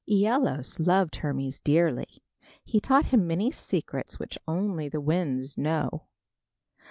Æolus loved Hermes dearly. He taught him many secrets which only the winds know.